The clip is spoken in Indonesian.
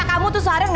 l chat siap dong